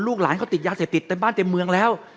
ลูกหลานเขาติดยาเสียติดในบ้านเต็มเมืองแล้ว